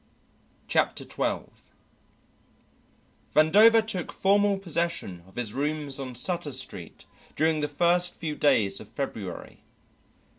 Chapter Twelve Vandover took formal possession of his rooms on Sutter Street during the first few days of February.